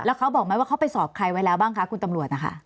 แล้วเขาบอกไหมว่าเขาไปสอบใครไว้แล้วบ้างคะคุณตำรวจนะคะ